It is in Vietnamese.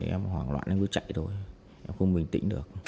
em hoảng loạn em bước chạy thôi em không bình tĩnh được